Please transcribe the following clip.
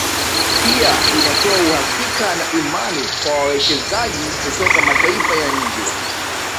Pia inatoa uhakika na imani kwa wawekezaji kutoka mataifa ya nje